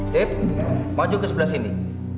dep maju ke sebelah sini